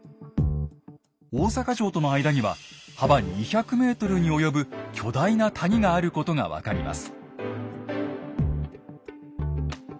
大坂城との間には幅２００ｍに及ぶ巨大な谷があることが分かります。